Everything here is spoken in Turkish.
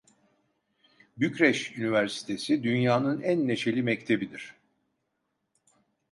Bükreş Üniversitesi dünyanın en neşeli mektebidir…